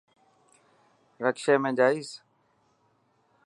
رڪشي ۾ جائس.